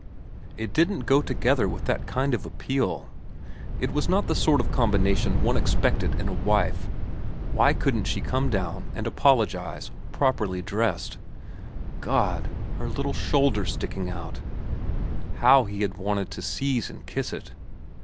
It didn't go together with that kind of appeal. It was not the sort of combination one ex pected in a wife. Why couldn't she come down and 236 VERA xn apologise properly dressed ? God, her little shoulder sticking out how he had wanted to seize and kiss it